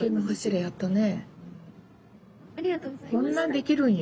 こんなできるんよ。